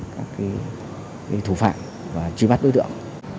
đánh thủ phạm và truy bắt đối tượng